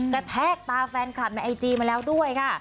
แทกตาแฟนคลับในไอจีมาแล้วด้วยค่ะ